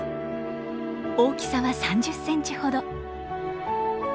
大きさは３０センチほど。